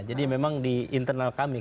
jadi memang di internal kami